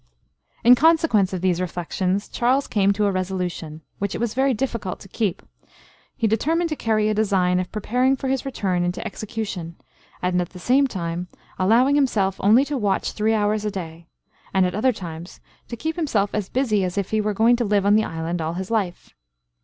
In consequence of these reflections, Charles came to a resolution, which it was very difficult to keep; he determined to carry a design of preparing for his return into execution, and at the same time, allowing himself only to watch three hours a day; and at other times to keep himself as busy as if he were going to live on the island all his life.